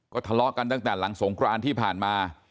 ทะเลาะกันตั้งแต่หลังสงครานที่ผ่านมา